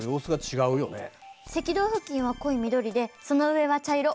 赤道付近は濃い緑でその上は茶色。